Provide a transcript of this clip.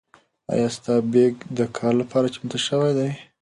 ایا ستا بیک د کار لپاره چمتو شوی دی؟